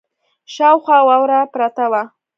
شاوخوا واوره پرته وه.